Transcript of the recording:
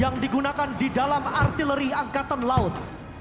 yang digunakan di dalam artileri angkatan laut